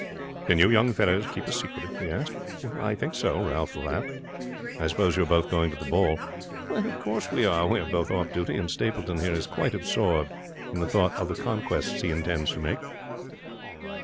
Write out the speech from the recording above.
"Can you young fellows keep a secret?" he asked. "I think so," Ralph laughed. "I suppose you are both going to the ball?" "Of course we are. We are both off duty, and Stapleton here is quite absorbed in the thought of the conquests he intends to make."